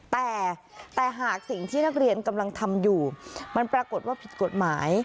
แต่แต่หากสิ่งที่นักเรียนกำลังทำอยู่มันปรากฏว่าผิดกฎหมาย